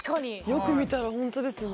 よく見たらほんとですね。